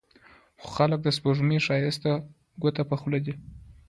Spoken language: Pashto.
خو خلک د سپوږمۍ ښايست ته ګوته په خوله دي